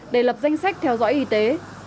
để lập danh sách theo dõi y tế